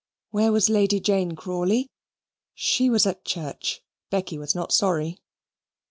Where was Lady Jane Crawley? She was at church. Becky was not sorry.